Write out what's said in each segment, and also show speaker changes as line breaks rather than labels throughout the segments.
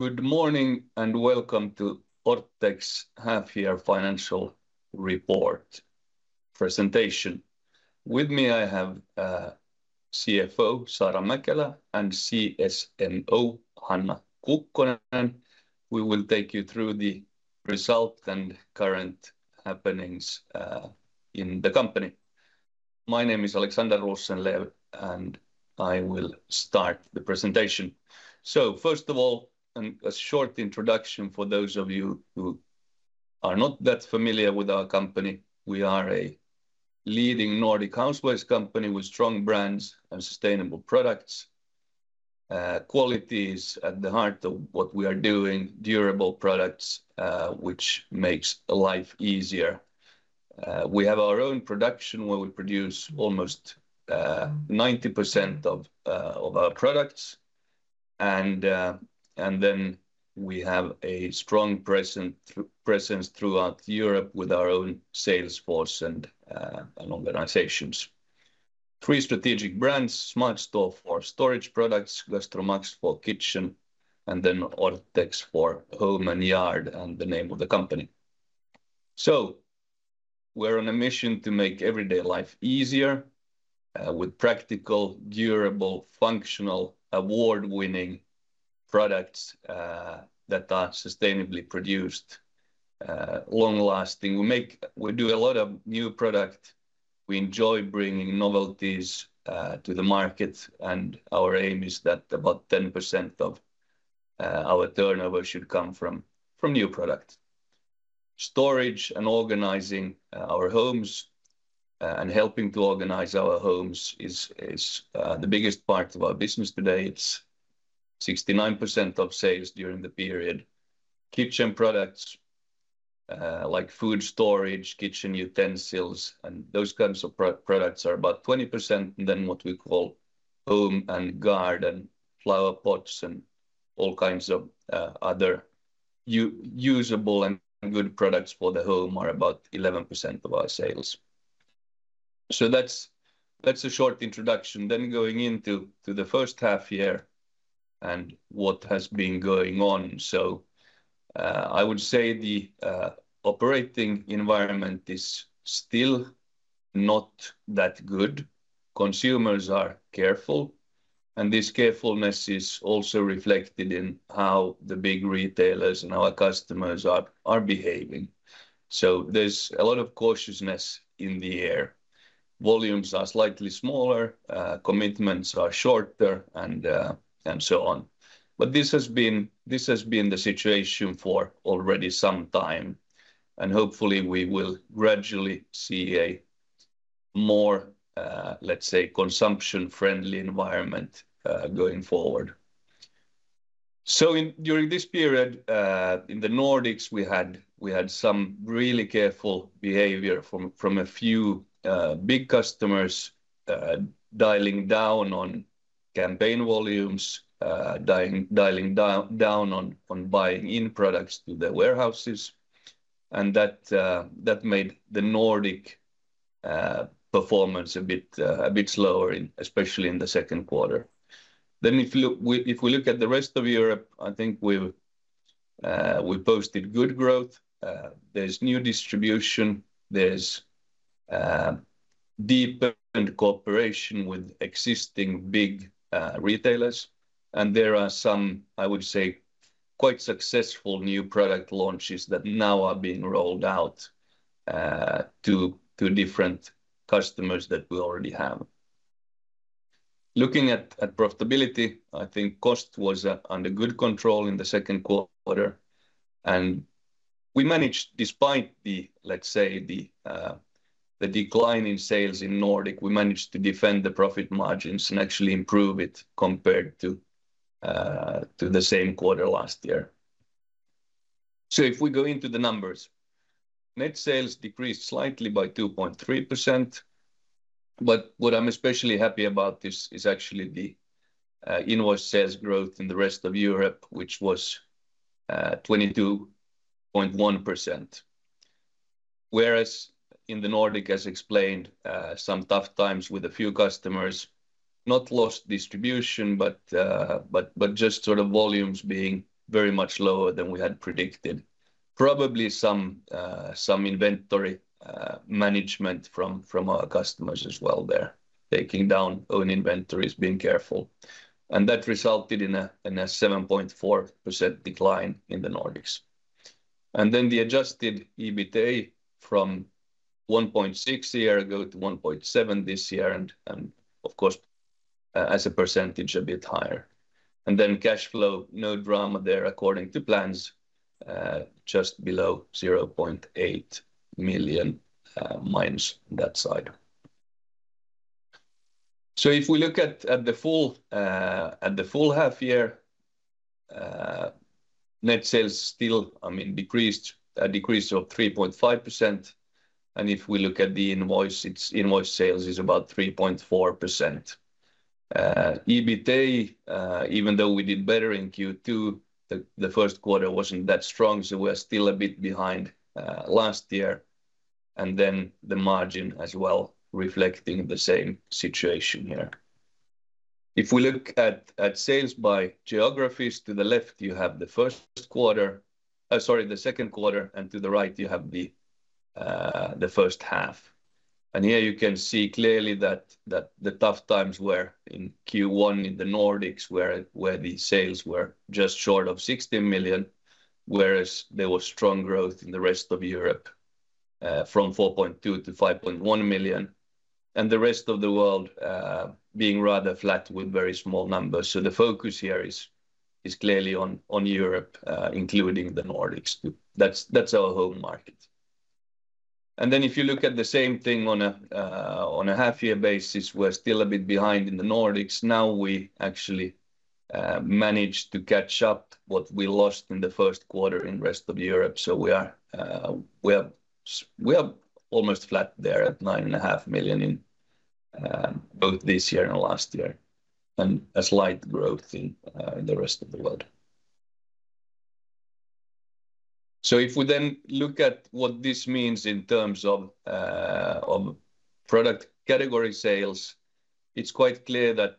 Good morning and welcome to Orthex Half-Year Financial Report Presentation. With me, I have CFO Saara Mäkelä and CSMO Hanna Kukkonen. We will take you through the results and current happenings in the company. My name is Alexander Rosenlew and I will start the presentation. First of all, a short introduction for those of you who are not that familiar with our company. We are a leading Nordic housewares company with strong brands and sustainable products. Quality is at the heart of what we are doing: durable products, which makes life easier. We have our own production where we produce almost 90% of our products. We have a strong presence throughout Europe with our own sales force and organizations. Three strategic brands: SmartStore for storage products, GastroMax for kitchen, and then Orthex for home and yard, and the name of the company. We're on a mission to make everyday life easier with practical, durable, functional, award-winning products that are sustainably produced, long-lasting. We do a lot of new products. We enjoy bringing novelties to the market, and our aim is that about 10% of our turnover should come from new products. Storage and organizing our homes and helping to organize our homes is the biggest part of our business today. It's 69% of sales during the period. Kitchen products like food storage, kitchen utensils, and those kinds of products are about 20%. What we call home and garden, flower pots, and all kinds of other usable and good products for the home are about 11% of our sales. That's a short introduction. Going into the first half year and what has been going on. I would say the operating environment is still not that good. Consumers are careful, and this carefulness is also reflected in how the big retailers and our customers are behaving. There's a lot of cautiousness in the air. Volumes are slightly smaller, commitments are shorter, and so on. This has been the situation for already some time, and hopefully we will gradually see a more, let's say, consumption-friendly environment going forward. During this period in the Nordics, we had some really careful behavior from a few big customers dialing down on campaign volumes, dialing down on buying in products to the warehouses. That made the Nordic performance a bit slower, especially in the second quarter. If we look at the rest of Europe, I think we posted good growth. There's new distribution, there's deeper cooperation with existing big retailers, and there are some, I would say, quite successful new product launches that now are being rolled out to different customers that we already have. Looking at profitability, I think cost was under good control in the second quarter, and we managed, despite the, let's say, the decline in sales in Nordic, we managed to defend the profit margins and actually improve it compared to the same quarter last year. If we go into the numbers, net sales decreased slightly by 2.3%. What I'm especially happy about is actually the invoice sales growth in the rest of Europe, which was 22.1%. Whereas in the Nordic, as explained, some tough times with a few customers, not lost distribution, but just sort of volumes being very much lower than we had predicted. Probably some inventory management from our customers as well there, taking down own inventories, being careful. That resulted in a 7.4% decline in the Nordics. The adjusted EBITDA from 1.6 million a year ago to 1.7 million this year, and of course, as a percentage, a bit higher. Cash flow, no drama there, according to plans, just below 0.8 million minus that side. If we look at the full half year, net sales still, I mean, decreased a decrease of 3.5%. If we look at the invoice, its invoice sales is about 3.4%. EBITDA, even though we did better in Q2, the first quarter wasn't that strong, so we're still a bit behind last year. The margin as well, reflecting the same situation here. If we look at sales by geographies, to the left you have the second quarter, and to the right you have the first half. Here you can see clearly that the tough times were in Q1 in the Nordics, where the sales were just short of 16 million, whereas there was strong growth in the rest of Europe from 4.2 million to 5.1 million. The rest of the world being rather flat with very small numbers. The focus here is clearly on Europe, including the Nordics. That's our home market. If you look at the same thing on a half-year basis, we're still a bit behind in the Nordics. Now we actually managed to catch up what we lost in the first quarter in the rest of Europe. We are almost flat there at 9.5 million in both this year and last year, and a slight growth in the rest of the world. If we then look at what this means in terms of product category sales, it's quite clear that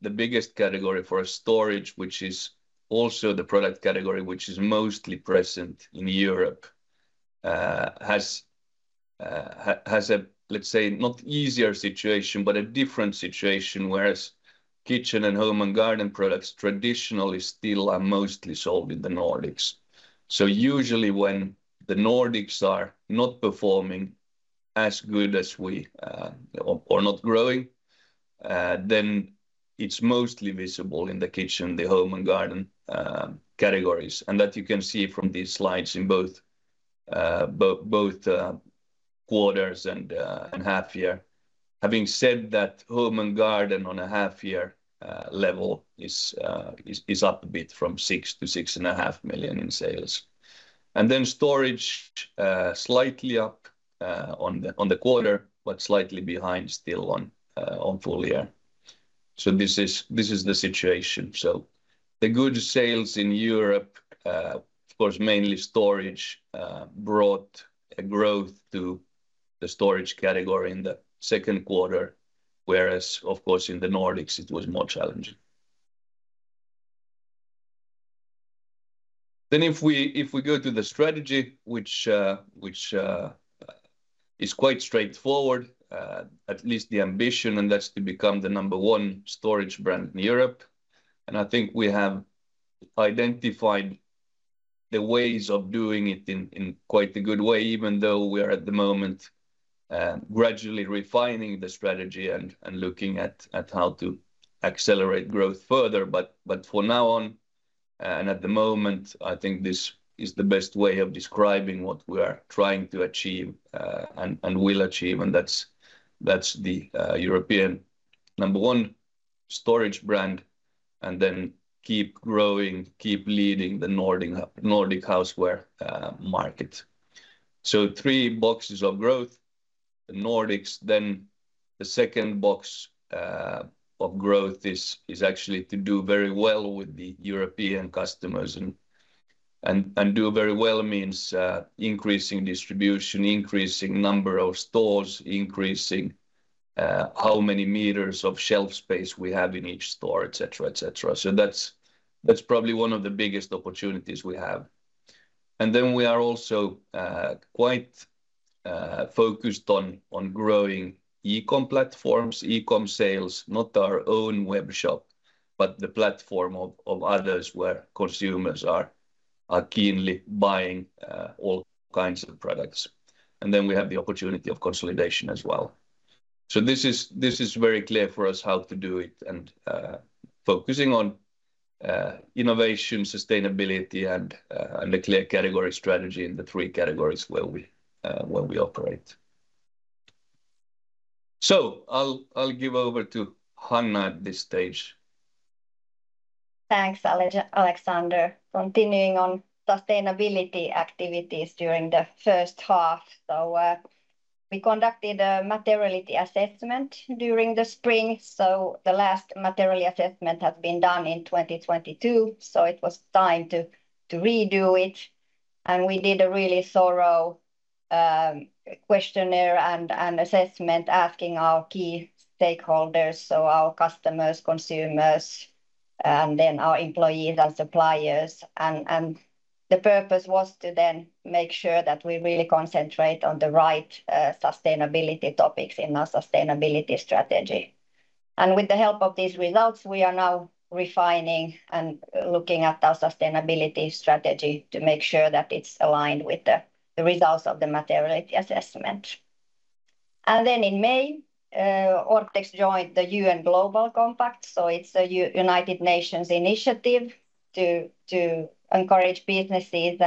the biggest category for storage, which is also the product category which is mostly present in Europe, has a, let's say, not easier situation, but a different situation, whereas kitchen and home and garden products traditionally still are mostly sold in the Nordics. Usually when the Nordics are not performing as good as we are not growing, then it's mostly visible in the kitchen, the home and garden categories. You can see that from these slides in both quarters and half year. Having said that, home and garden on a half-year level is up a bit from 6 million to 6.5 million in sales. Storage is slightly up on the quarter, but slightly behind still on full year. This is the situation. The good sales in Europe, of course mainly storage, brought a growth to the storage category in the second quarter, whereas in the Nordics it was more challenging. If we go to the strategy, which is quite straightforward, at least the ambition, that's to become the number one storage brand in Europe. I think we have identified the ways of doing it in quite a good way, even though we are at the moment gradually refining the strategy and looking at how to accelerate growth further. For now on, and at the moment, I think this is the best way of describing what we are trying to achieve and will achieve. That's the European number one storage brand and then keep growing, keep leading the Nordic houseware market. Three boxes of growth: the Nordics, then the second box of growth is actually to do very well with the European customers. Do very well means increasing distribution, increasing number of stores, increasing how many meters of shelf space we have in each store, etc., etc. That's probably one of the biggest opportunities we have. We are also quite focused on growing e-comm platforms, e-comm sales, not our own webshop, but the platform of others where consumers are keenly buying all kinds of products. We have the opportunity of consolidation as well. This is very clear for us how to do it and focusing on innovation, sustainability, and a clear category strategy in the three categories where we operate. I'll give over to Hanna at this stage.
Thanks, Alexander. Continuing on sustainability activities during the first half. We conducted a materiality assessment during the spring. The last materiality assessment has been done in 2022. It was time to redo it. We did a really thorough questionnaire and assessment asking our key stakeholders, our customers, consumers, and then our employees and suppliers. The purpose was to make sure that we really concentrate on the right sustainability topics in our sustainability strategy. With the help of these results, we are now refining and looking at our sustainability strategy to make sure that it's aligned with the results of the materiality assessment. In May, Orthex joined the UN Global Compact. It's a United Nations initiative to encourage businesses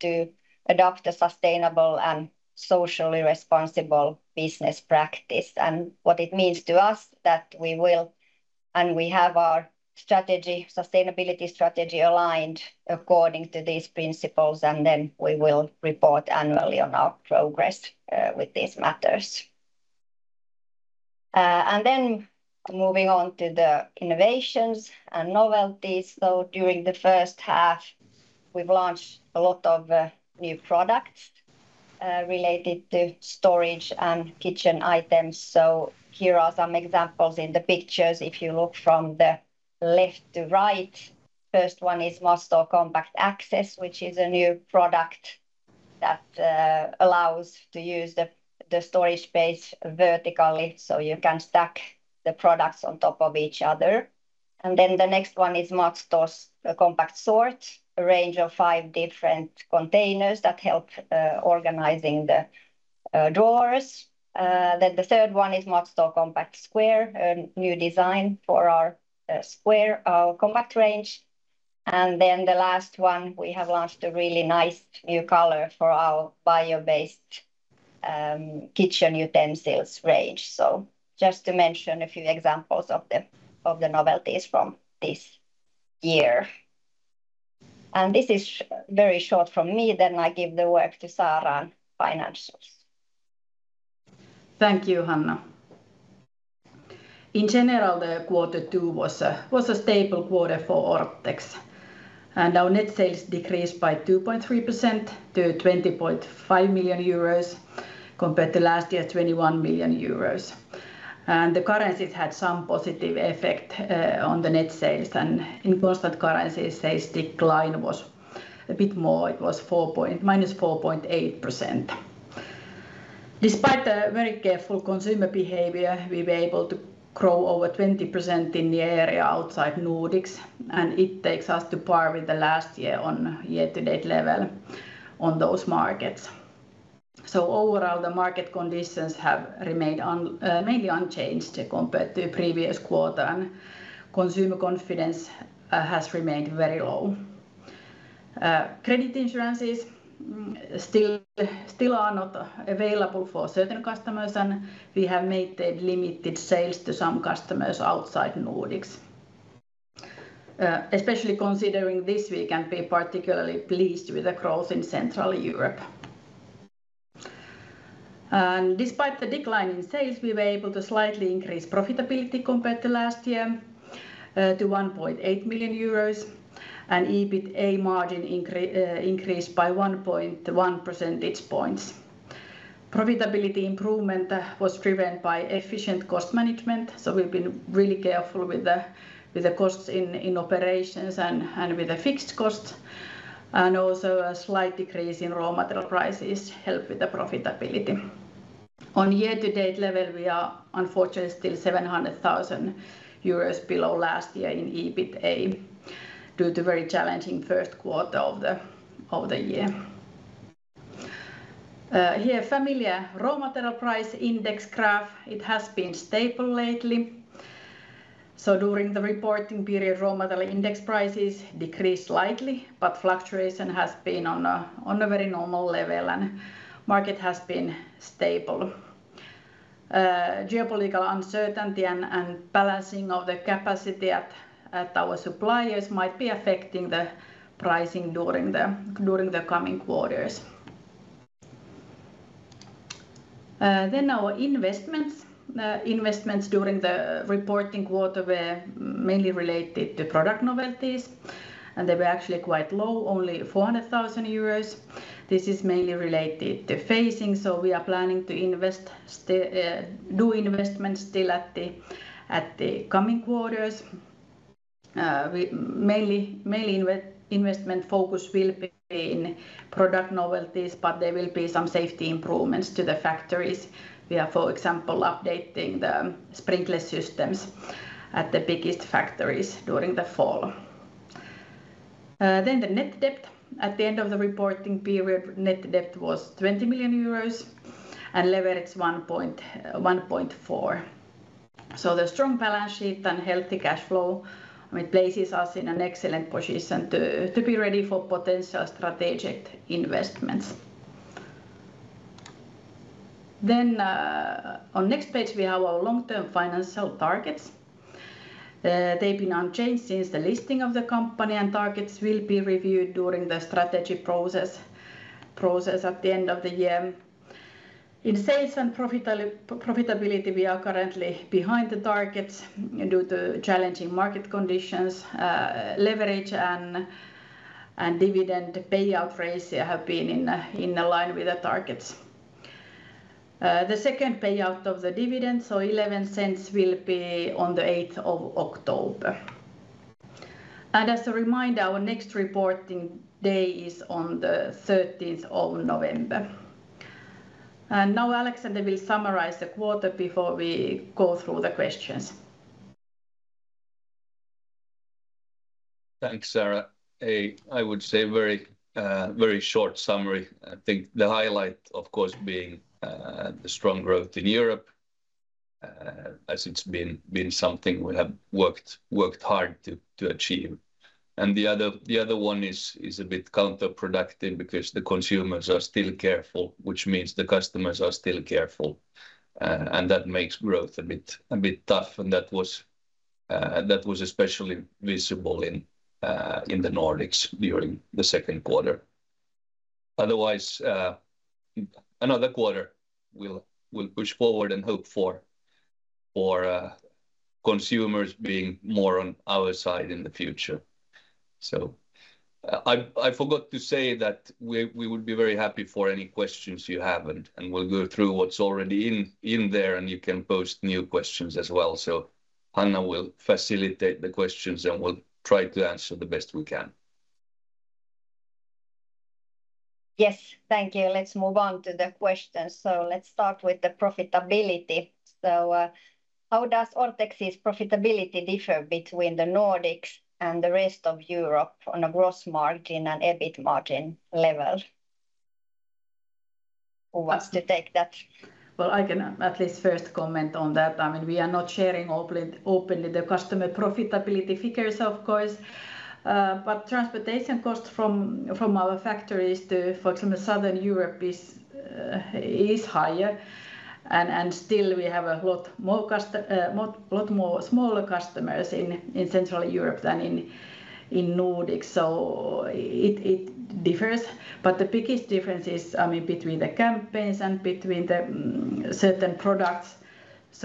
to adopt a sustainable and socially responsible business practice. What it means to us is that we will, and we have our sustainability strategy aligned according to these principles. We will report annually on our progress with these matters. Moving on to the innovations and novelties. During the first half, we've launched a lot of new products related to storage and kitchen items. Here are some examples in the pictures. If you look from the left to right, the first one is SmartStore Compact Access, which is a new product that allows to use the storage space vertically. You can stack the products on top of each other. The next one is SmartStore Compact Sort, a range of five different containers that help organizing the drawers. The third one is SmartStore Compact Square, a new design for our square compact range. The last one, we have launched a really nice new color for our bio-based kitchen utensils range. Just to mention a few examples of the novelties from this year. This is very short from me. I give the word to Saara financials.
Thank you, Hanna. In general, the quarter two was a stable quarter for Orthex. Our net sales decreased by 2.3% to 20.5 million euros compared to last year's 21 million euros. The currencies had some positive effect on the net sales. In constant currency, the sales decline was a bit more. It was -4.8%. Despite the very careful consumer behavior, we were able to grow over 20% in the area outside Nordic. It takes us to par with last year on year-to-date level on those markets. Overall, the market conditions have remained mainly unchanged compared to the previous quarter. Consumer confidence has remained very low. Credit insurances still are not available for certain customers. We have made limited sales to some customers outside Nordic. Especially considering this, we can be particularly pleased with the growth in Central Europe. Despite the decline in sales, we were able to slightly increase profitability compared to last year to 1.8 million euros. EBITDA margin increased by 1.1% each point. Profitability improvement was driven by efficient cost management. We have been really careful with the costs in operations and with the fixed costs. Also, a slight decrease in raw material prices helped with the profitability. On year-to-date level, we are unfortunately still 700,000 euros below last year in EBITDA due to a very challenging first quarter of the year. Here, a familiar raw material price index graph. It has been stable lately. During the reporting period, raw material index prices decreased slightly, but fluctuation has been on a very normal level. The market has been stable. Geopolitical uncertainty and balancing of the capacity at our suppliers might be affecting the pricing during the coming quarters. Our investments during the reporting quarter were mainly related to product novelties. They were actually quite low, only 400,000 euros. This is mainly related to phasing. We are planning to do investments still at the coming quarters. Mainly, investment focus will be in product novelties, but there will be some safety improvements to the factories. We are, for example, updating the sprinkler systems at the biggest factories during the fall. The net debt at the end of the reporting period was EUR 20 million and leverage 1.4. The strong balance sheet and healthy cash flow places us in an excellent position to be ready for potential strategic investments. On the next page, we have our long-term financial targets. They've been unchanged since the listing of the company. Targets will be reviewed during the strategy process at the end of the year. In sales and profitability, we are currently behind the targets due to challenging market conditions. Leverage and dividend payout targets have been in line with the targets. The second payout of the dividend, 0.11, will be on the 8th of October. As a reminder, our next reporting day is on the 13th of November. Alexander will now summarize the quarter before we go through the questions.
Thanks, Saara. I would say a very short summary. I think the highlight, of course, being the strong growth in Europe, as it's been something we have worked hard to achieve. The other one is a bit counterproductive because the consumers are still careful, which means the customers are still careful. That makes growth a bit tough. That was especially visible in the Nordics during the second quarter. Otherwise, another quarter we'll push forward and hope for consumers being more on our side in the future. I forgot to say that we would be very happy for any questions you have. We'll go through what's already in there, and you can post new questions as well. Hanna will facilitate the questions and we'll try to answer the best we can.
Yes, thank you. Let's move on to the questions. Let's start with the profitability. How does Orthex's profitability differ between the Nordics and the rest of Europe on a gross margin and EBIT margin level? Who wants to take that?
I can at least first comment on that. I mean, we are not sharing openly the customer profitability figures, of course. Transportation costs from our factories to, for example, Southern Europe is higher. Still, we have a lot more smaller customers in Central Europe than in Nordic. It differs. The biggest difference is, I mean, between the campaigns and between certain products.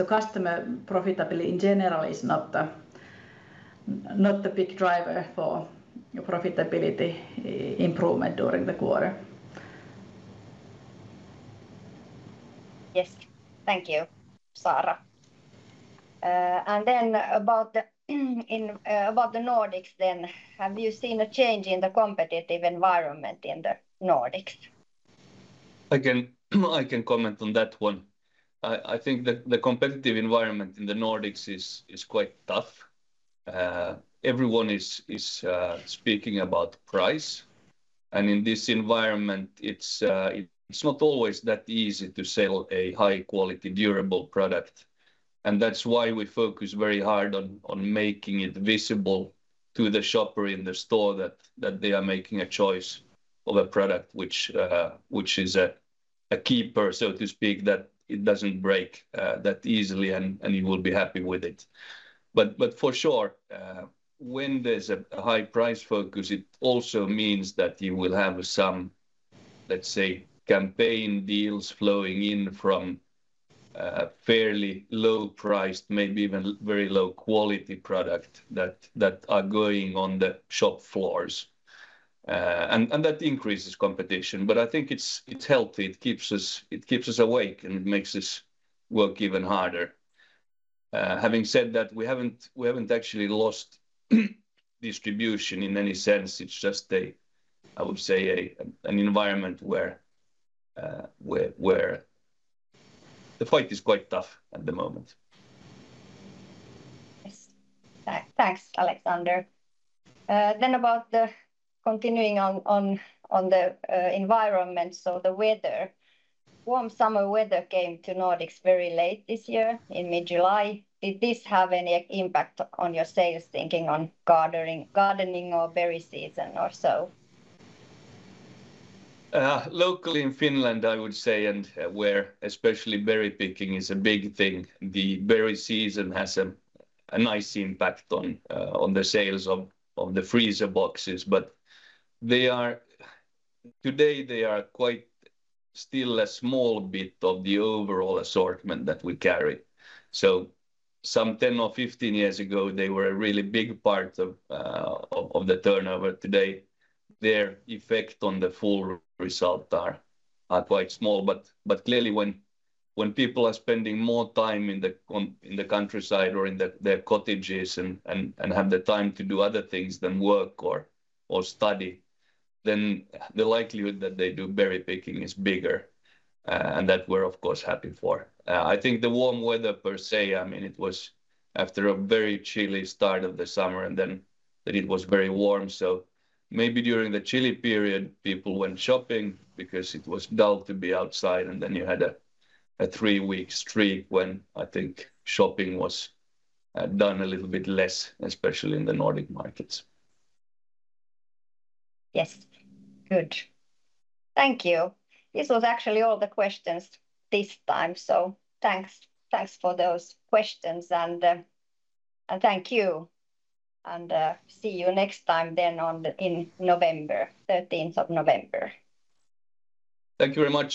Customer profitability in general is not the big driver for profitability improvement during the quarter.
Yes, thank you, Saara. About the Nordics, have you seen a change in the competitive environment in the Nordics?
I can comment on that one. I think the competitive environment in the Nordics is quite tough. Everyone is speaking about price. In this environment, it's not always that easy to sell a high-quality, durable product. That's why we focus very hard on making it visible to the shopper in the store that they are making a choice of a product, which is a keeper, so to speak, that it doesn't break that easily, and you will be happy with it. For sure, when there's a high price focus, it also means that you will have some, let's say, campaign deals flowing in from fairly low-priced, maybe even very low-quality products that are going on the shop floors. That increases competition. I think it's healthy. It keeps us awake and it makes us work even harder. Having said that, we haven't actually lost distribution in any sense. It's just, I would say, an environment where the fight is quite tough at the moment.
Thanks, Alexander. About continuing on the environment, the weather, warm summer weather came to the Nordics very late this year in mid-July. Did this have any impact on your sales, thinking on gardening or berry season or so?
Locally in Finland, I would say, and where especially berry picking is a big thing, the berry season has a nice impact on the sales of the freezer boxes. Today, they are quite still a small bit of the overall assortment that we carry. Some 10 or 15 years ago, they were a really big part of the turnover. Today, their effect on the full result is quite small. Clearly, when people are spending more time in the countryside or in their cottages and have the time to do other things than work or study, the likelihood that they do berry picking is bigger, and that we're, of course, happy for. I think the warm weather per se, I mean, it was after a very chilly start of the summer and then it was very warm. Maybe during the chilly period, people went shopping because it was dull to be outside. Then you had a three-week streak when I think shopping was done a little bit less, especially in the Nordic markets.
Yes, good. Thank you. This was actually all the questions this time. Thank you, and see you next time then in November, 13th of November.
Thank you very much.